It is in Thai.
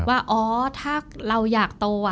ว่าอ๋อถ้าเราอยากโต